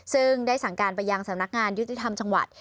ซึ่งได้สั่งการไปยังสำนักงานยุติธรรมจังหวัด